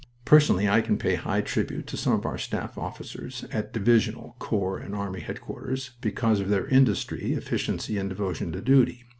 Personally I can pay high tribute to some of our staff officers at divisional, corps, and army headquarters, because of their industry, efficiency, and devotion to duty.